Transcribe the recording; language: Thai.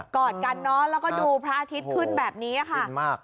อดกันเนอะแล้วก็ดูพระอาทิตย์ขึ้นแบบนี้ค่ะดีมาก